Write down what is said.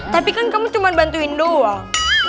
tapi kan kamu cuma bantuin doang